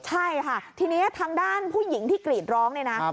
ใช่ค่ะทีนี้ทางด้านผู้หญิงที่กรีดร้องเนี่ยนะ